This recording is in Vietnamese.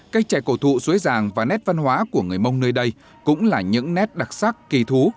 cây trẻ cổ thụ suối giàng và nét văn hóa của người mông nơi đây cũng là những nét đặc sắc kỳ thú